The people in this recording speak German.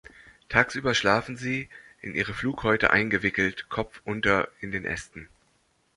Tagsüber schlafen sie, in ihre Flughäute eingewickelt, kopfunter in den Ästen.